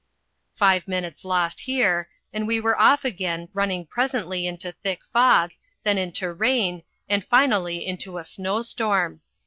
Five minutes lost here, and we were off again, running presently into a thick fog, then into rain, and, finally, into a snow storm.